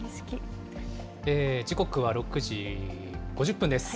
時刻は６時５０分です。